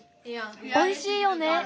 おいしいよね。